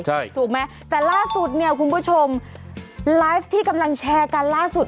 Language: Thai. ใช่ถูกไหมแต่ล่าสุดเนี่ยคุณผู้ชมไลฟ์ที่กำลังแชร์กันล่าสุด